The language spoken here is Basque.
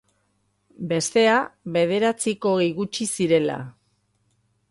Bestea, bederatziak hogei gutxi zirela.